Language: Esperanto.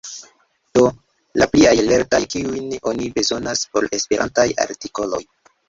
Do, la pliaj lertaj kiujn oni bezonas por esperantaj artikoloj.